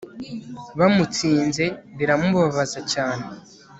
bamutsinze biramubabaza cyane